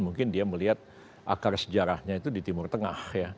mungkin dia melihat akar sejarahnya itu di timur tengah